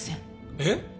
えっ！？